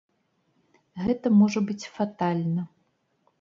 Гэта можа быць фатальна.